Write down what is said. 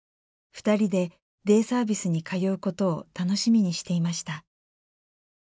２人でデイサービスに通うことを楽しみにしていました。